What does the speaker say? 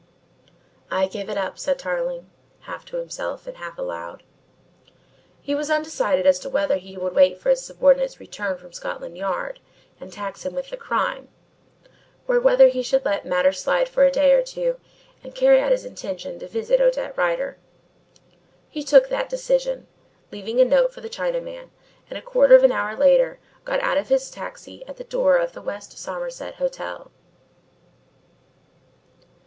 "I give it up," said Tarling, half to himself and half aloud. He was undecided as to whether he should wait for his subordinate's return from Scotland Yard and tax him with the crime, or whether he should let matters slide for a day or two and carry out his intention to visit Odette Rider. He took that decision, leaving a note for the Chinaman, and a quarter of an hour later got out of his taxi at the door of the West Somerset Hotel.